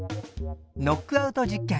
ノックアウト実験